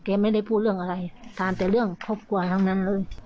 ไม่ได้พูดเรื่องอะไรถามแต่เรื่องครอบครัวทั้งนั้นเลย